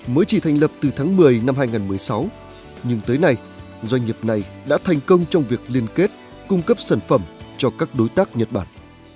mới chỉ thành lập từ tháng một mươi năm hai nghìn một mươi sáu nhưng tới nay doanh nghiệp này đã thành công trong việc liên kết cung cấp sản phẩm cho các đối tác nhật bản